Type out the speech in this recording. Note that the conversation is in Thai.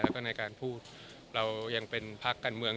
แล้วก็ในการพูดเรายังเป็นพักการเมือง